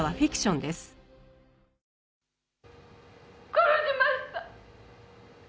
「殺しました！」